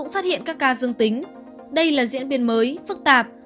và các ca dương tính đây là diễn biến mới phức tạp